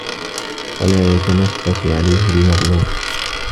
وَلَا يَتَنَفَّسُ عَلَيْهِ بِمَطْلُوبٍ